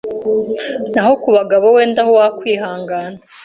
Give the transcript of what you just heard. Naho ku bagabo wenda ho wakwihangana